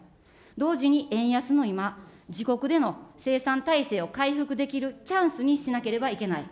同時に円安の今、自国での生産体制を回復できるチャンスにしなければいけない。